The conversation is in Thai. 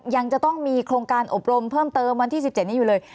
ยังจะต้องมีโครงการอบรมเพิ่มเติมวันที่๑๗นี้อยู่เลย